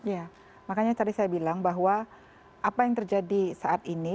ya makanya tadi saya bilang bahwa apa yang terjadi saat ini